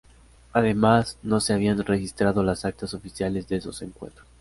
Además, no se habían registrado las actas oficiales de esos encuentros.